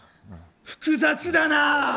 複雑だな。